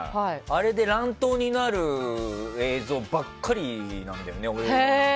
あれで乱闘になる映像ばかり見てるんだよね。